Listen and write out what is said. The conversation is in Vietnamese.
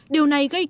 điều này gây kỳ lạc